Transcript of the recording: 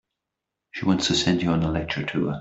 She wants to send you on a lecture tour.